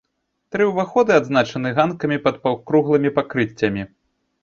Тры ўваходы адзначаны ганкамі пад паўкруглымі пакрыццямі.